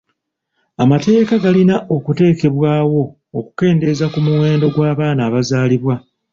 Amateeka galina okuteekebwawo okukendeeza ku muwendo gw'abaana abazaalibwa.